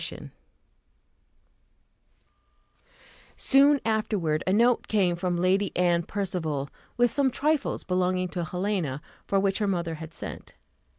Soon afterward a note came from Lady Anne Percival, with some trifles belonging to Helena, for which her mother had sent.